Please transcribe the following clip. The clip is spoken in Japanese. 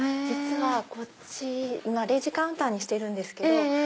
実はこっち今レジカウンターにしてるんですけど。